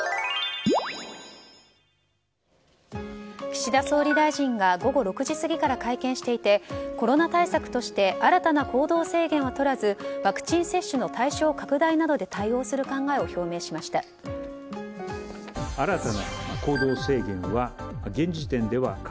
岸田総理大臣が午後６時過ぎから会見していてコロナ対策として新たな行動制限を取らずワクチン接種の対象拡大などで対応することを表明しました。